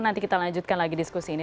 nanti kita lanjutkan lagi diskusi ini